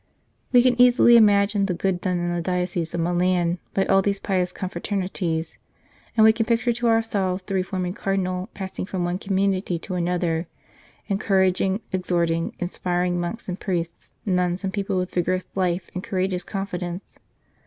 We can easily imagine the good done in the Diocese of Milan by all these pious confraternities, and we can picture to ourselves the reforming Cardinal passing from one community to another, encouraging, exhorting, inspiring monks and priests, nuns and people, with vigorous life and courageous confidence.